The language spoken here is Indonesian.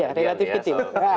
ya relatif kecil